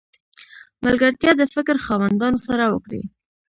ملګرتیا د فکر خاوندانو سره وکړئ!